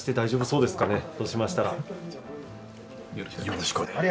よろしくお願いします。